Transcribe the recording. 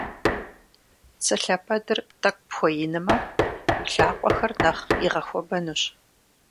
Цы лъэпэдыр тӏэкӏу пхуэинмэ, уи лъакъуэхэр нэхъ игъэхуэбэнущ.